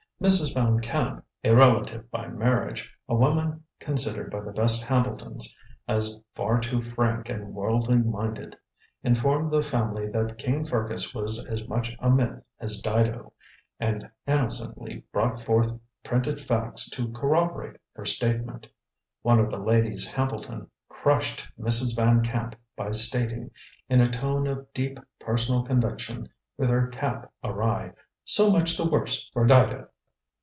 Mrs. Van Camp, a relative by marriage a woman considered by the best Hambletons as far too frank and worldly minded informed the family that King Fergus was as much a myth as Dido, and innocently brought forth printed facts to corroborate her statement. One of the ladies Hambleton crushed Mrs. Van Camp by stating, in a tone of deep personal conviction, with her cap awry, "So much the worse for Dido!"